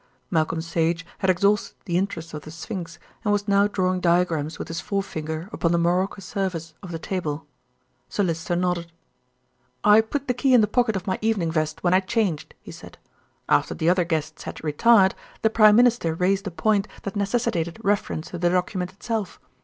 Malcolm Sage had exhausted the interest of the sphinx and was now drawing diagrams with his forefinger upon the morocco surface of the table. Sir Lyster nodded. "I put the key in the pocket of my evening vest when I changed," he said. "After the other guests had retired, the Prime Minister raised a point that necessitated reference to the document itself.